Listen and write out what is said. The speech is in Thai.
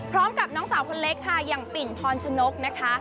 พร้อมกับน้องสาวคนเล็กค่ะอย่างติ่นพรชนกนะคะ